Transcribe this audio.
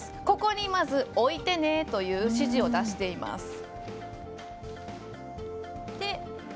ここにまず置いてねという指示を出しています。